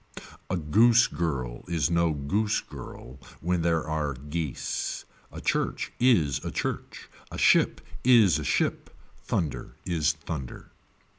A goose girl is no goose girl when there are geese. A church is a church. A ship is a ship. Thunder is thunder.